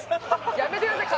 やめてください